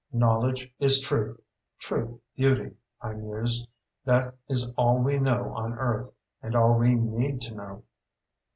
Knowledge is truth, truth beauty, I mused, that is all we know on Earth, and all we need to know.